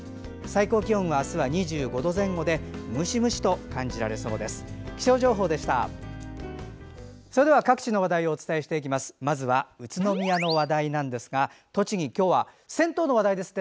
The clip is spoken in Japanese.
最高気温は、２５度前後でムシムシと感じられそうです。